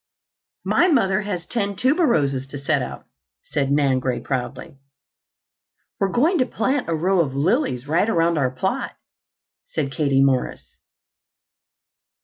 "My mother has ten tuberoses to set out," said Nan Gray proudly. "We're going to plant a row of lilies right around our plot," said Katie Morris.